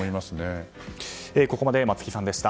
ここまで松木さんでした。